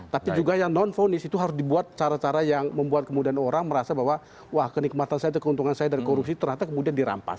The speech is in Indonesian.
tapi juga yang non fonis itu harus dibuat cara cara yang membuat kemudian orang merasa bahwa wah kenikmatan saya itu keuntungan saya dari korupsi ternyata kemudian dirampas